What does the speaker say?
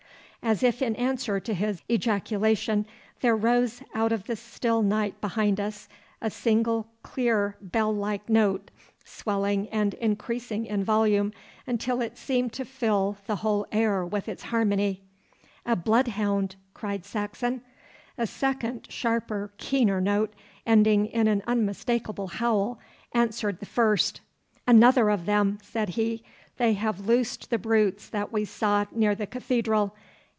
As if in answer to his ejaculation, there rose out of the still night behind us a single, clear, bell like note, swelling and increasing in volume until it seemed to fill the whole air with its harmony. 'A bloodhound!' cried Saxon. A second sharper, keener note, ending in an unmistakable howl, answered the first. 'Another of them,' said he. 'They have loosed the brutes that we saw near the Cathedral.